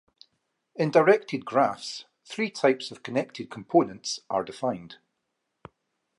In directed graphs, three types of connected components are defined.